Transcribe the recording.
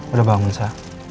udah bangun sa